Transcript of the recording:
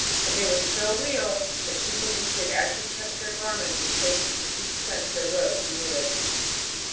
And they were so real that she believed she had actually touched their garments and tasted the sweet scents their robes emitted.